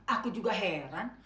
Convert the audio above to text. aku juga heran